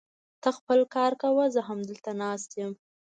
ته خپل کار کوه، زه همدلته ناست يم.